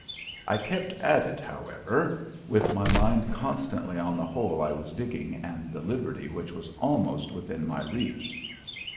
I kept at it, however, with my mind constantly on the hole I was digging and the liberty which was almost within my reach.